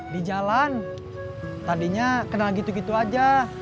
di jalan tadinya kenal gitu gitu aja